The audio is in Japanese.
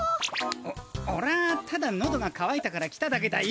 おおらぁただのどがかわいたから来ただけだよ！